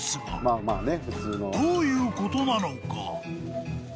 ［どういうことなのか？］